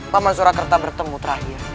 paman surakerta bertemu terakhir